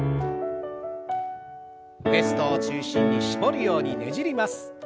ウエストを中心に絞るようにねじります。